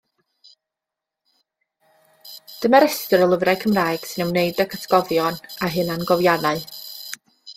Dyma restr o lyfrau Cymraeg sy'n ymwneud ag Atgofion a Hunangofiannau.